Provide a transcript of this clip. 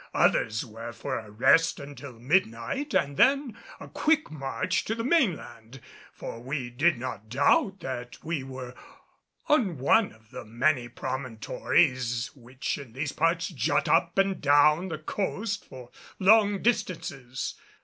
Others were for a rest until midnight and then a quick march to the mainland; for we did not doubt that we were on one of the many promontories which in these parts jut up and down the coast for long distances.